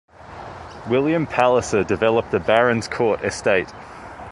William Palliser developed the Barons Court estate.